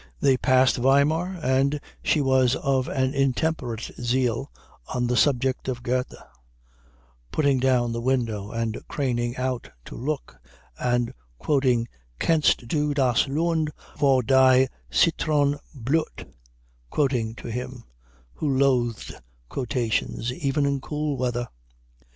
They passed Weimar; and she was of an intemperate zeal on the subject of Goethe, putting down the window and craning out to look and quoting Kennst Du das Land wo die Citrone blüht quoting to him, who loathed quotations even in cool weather.